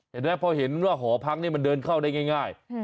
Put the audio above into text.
เขาเลยเห็นว่าหอพังนี้มันเดินเข้าได้ง่าย